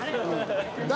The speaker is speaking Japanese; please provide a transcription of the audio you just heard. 誰？